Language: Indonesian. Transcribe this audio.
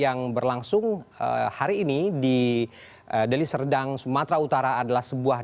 yang berlangsung hari ini di deli serdang sumatera utara adalah sebuah